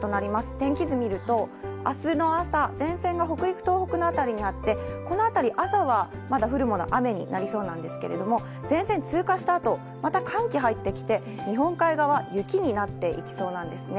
天気図見ると、あすの朝、前線が北陸、東北のあたりにあって、この辺り、朝はまだ降るもの、雨になりそうなんですけれども、前線通過したあと、また寒気入ってきて、日本海側は雪になっていきそうなんですね。